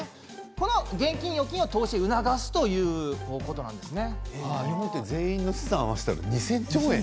この現金や預金を投資に促すということなんですね。